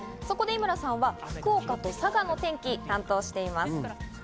そこで井村さんは福岡と佐賀の天気を担当しています。